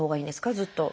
ずっと。